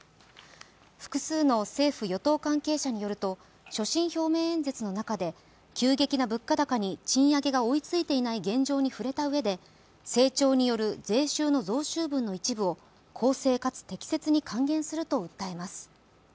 複数の政府・与党関係者によると所信表明演説の中で急激な物価高に賃上げが追いついていない現状に触れたうえで成長による税収の増収分の一部を公正かつ適切に還元すると訴えます。